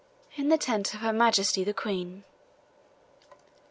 "In the tent of her Majesty the Queen."